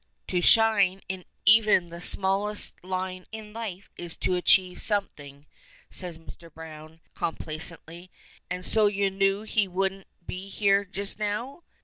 "To shine in even the smallest line in life is to achieve something," says Mr. Browne, complacently. "And so you knew he wouldn't be here just now?"